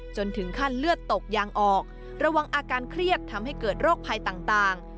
จนถึงขั้นเลือดตกยางออกระวังอาการเครียดทำให้เกิดโรคภัยต่าง